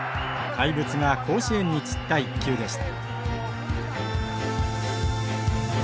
怪物が甲子園に散った１球でした。